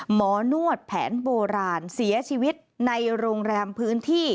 หมอนวดแผนโบราณเสียชีวิตในโรงแรมพื้นที่